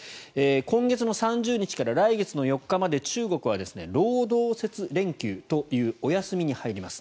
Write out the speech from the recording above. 今月の３０日から来月の４日まで中国は労働節連休というお休みに入ります。